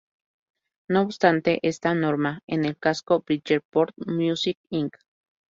No obstante, esta norma, en el caso Bridgeport Music, Inc.